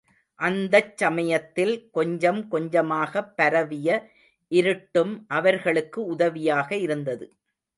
அந்தச் சமயத்தில் கொஞ்சம் கொஞ்சமாகப் பரவிய இருட்டும் அவர்களுக்கு உதவியாக இருந்தது.